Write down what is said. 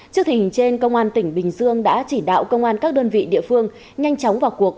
trước hình trên công an tỉnh bình dương đã chỉ đạo công an các đơn vị địa phương nhanh chóng vào cuộc